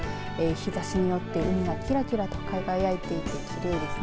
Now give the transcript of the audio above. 日ざしによって海がきらきらと輝いていて、奇麗ですね。